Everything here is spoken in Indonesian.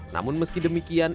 namun meski demikian